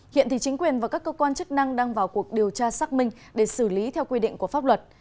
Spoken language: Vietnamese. hiện thì chính quyền và các cơ quan chức năng đang vào cuộc điều tra xác minh để xử lý theo quy định của pháp luật